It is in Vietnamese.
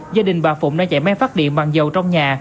gia đình bà phụng đã chạy máy phát điện bằng dầu trong nhà